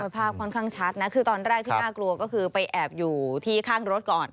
ภาพค่อนข้างชัดนะคือตอนแรกที่น่ากลัวก็คือไปแอบอยู่ที่ข้างรถก่อน